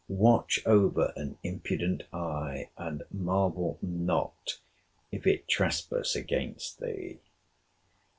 Watch over an impudent eye, and marvel not if it trespass against thee.